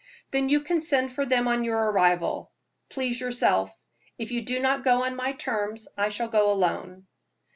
"Then you can send for them on your arrival. Please yourself. If you do not go on my terms, I shall go alone."